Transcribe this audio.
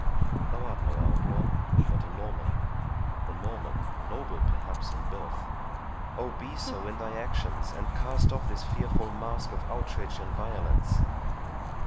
Thou art no outlaw, but a Norman—a Norman, noble perhaps in birth—O, be so in thy actions, and cast off this fearful mask of outrage and violence!"